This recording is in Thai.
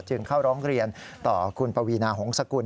เข้าร้องเรียนต่อคุณปวีนาหงษกุล